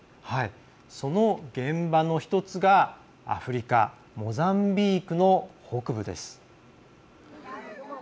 その現場の一つがアフリカモザンビークの北部です。